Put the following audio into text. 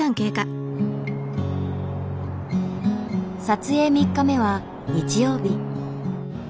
撮影３日目は日曜日。